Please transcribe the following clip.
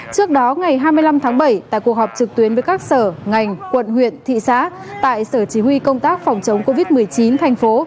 trước đó ngày hai mươi năm tháng bảy tại cuộc họp trực tuyến với các sở ngành quận huyện thị xã tại sở chỉ huy công tác phòng chống covid một mươi chín thành phố